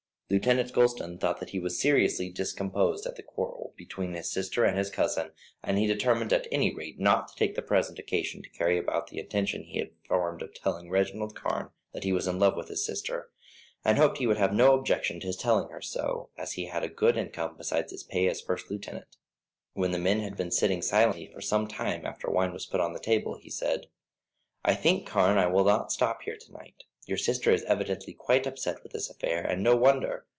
Lieutenant Gulston thought that he was seriously discomposed at the quarrel between his sister and his cousin; and he determined at any rate not to take the present occasion to carry out the intention he had formed of telling Reginald Carne that he was in love with his sister, and hoped he would have no objection to his telling her so, as he had a good income besides his pay as first lieutenant. When the men had been sitting silently for some time after wine was put on the table, he said: "I think, Carne, I will not stop here to night. Your sister is evidently quite upset with this affair, and no wonder.